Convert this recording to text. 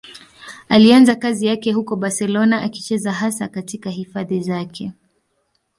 Alianza kazi yake huko Barcelona, akicheza hasa katika hifadhi zake.